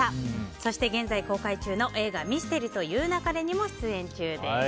そして現在公開中の映画「ミステリと言う勿れ」にも出演中です。